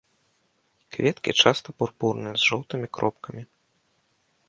Кветкі часта пурпурныя з жоўтымі кропкамі.